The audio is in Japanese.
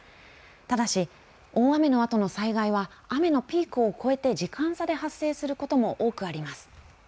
ただし、大雨のあとの災害は雨のピークを越えて時間差で発生することも多くあります。